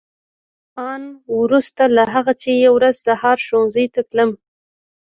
آن وروسته له هغه چې یوه ورځ سهار ښوونځي ته تلم.